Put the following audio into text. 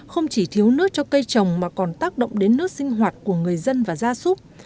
không chỉ thiếu nước cho cây trồng mà còn tác động đến nước sinh hoạt của người dân và gia súc